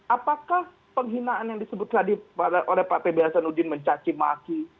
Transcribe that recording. apakah penghinaan yang disebut tadi oleh pak pebe hasanuddin mencaci maki